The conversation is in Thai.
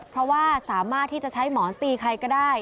เพราะว่าสามารถที่จะใช้หมอนตีใครก็ได้